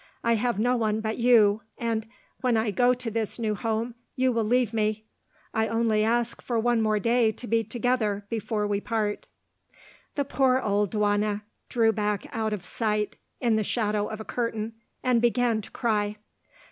I have no one but you, and, when I go to this new home, you will leave me. I only ask for one more day to be together, before we part." The poor old duenna drew back out of sight, in the shadow of a curtain and began to cry.